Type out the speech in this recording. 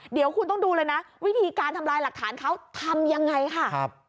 เดี๋ยวคุณต้องดูเลยนะวิธีการทำลายหลักฐานเขาทำยังไงค่ะ